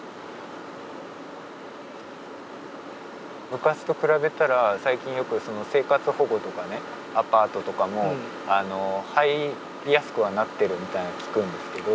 昔と比べたら最近よく生活保護とかねアパートとかも入りやすくはなってるみたいな聞くんですけど。